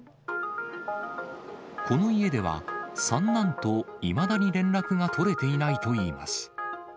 この家では、三男といまだに連絡が取れていないといいます。